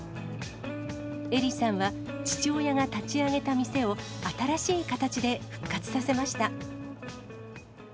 エリさんは父親が立ち上げた店を、新しい形で復活させました。